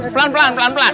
pelan pelan pelan